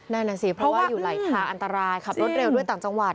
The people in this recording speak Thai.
นั่นน่ะสิเพราะว่าอยู่ไหลทางอันตรายขับรถเร็วด้วยต่างจังหวัด